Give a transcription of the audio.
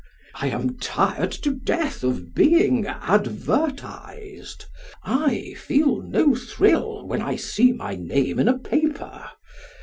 I am tired to death of being advertised I feel no thrill when I see my name in a paper.